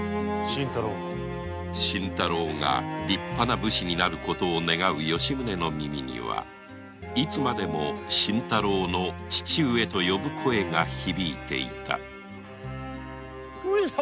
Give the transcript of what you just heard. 新太郎が立派な武士になる事を願う吉宗にはいつまでも新太郎の「父上」と呼ぶ声が響いていた上様。